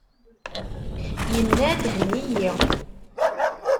Yenna-d: Henni-iyi!